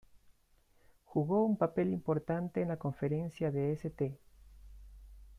Jugó un papel importante en la Conferencia de St.